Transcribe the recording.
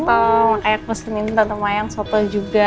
kayak ngeselin tante mayang soto juga